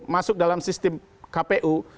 masuk dalam sistem kpu